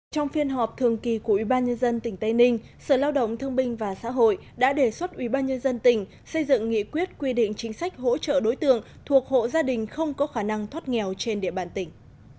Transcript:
trong phiên họp thường kỳ của ubnd tỉnh tây ninh sở lao động thương binh và xã hội đã đề xuất ubnd tỉnh xây dựng nghị quyết quy định chính sách hỗ trợ đối tượng thuộc hộ gia đình không có khả năng thoát nghèo trên địa bàn tỉnh